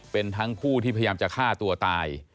เป็นทั้งผู้ที่พยายามจะฆ่าตัวตาย